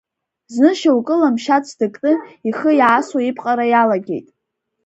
Зны шьоукы ламшьаҵә дыкны ихы иаасуа ипҟара иалагеит.